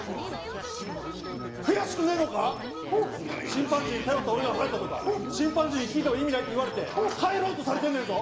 チンパンジーに頼った俺があほやったとかチンパンジーに聞いても意味ないって言われて帰ろうとされてんねんぞ？